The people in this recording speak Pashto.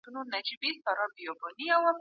دا کیسه د خلکو پام ځانته اړوي.